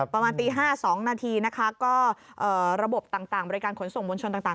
ประมาณตี๕๒นาทีนะคะก็ระบบต่างบริการขนส่งมวลชนต่าง